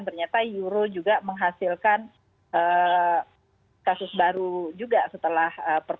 ternyata euro juga menghasilkan kasus baru juga setelah